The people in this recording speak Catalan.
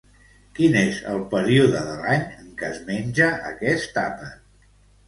Quin és el període de l'any en què es menja aquest àpat?